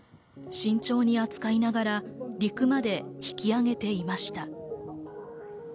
慎重に扱いながら陸まで引き上げていました。